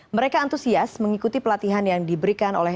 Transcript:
mereka antusias mengikuti pelatihan yang diberikan oleh